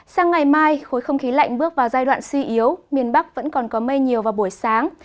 sang ngày mai khối không khí lạnh bước vào giai đoạn suy yếu miền bắc vẫn còn có mây nhiều vào buổi sáng